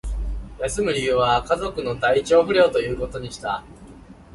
休む理由は、家族の体調不良ということにした